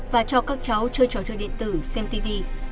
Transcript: và cho các cháu chơi trò chơi điện tử xem tv